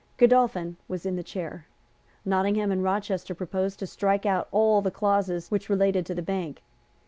Godolphin was in the chair. Nottingham and Rochester proposed to strike out all the clauses which related to the Bank.